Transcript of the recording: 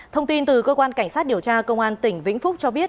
thông tin từ cơ quan cảnh sát điều tra công an tỉnh vĩnh phúc cho biết